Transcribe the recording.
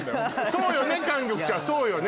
そうよね？